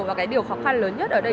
và cái điều khó khăn lớn nhất ở đây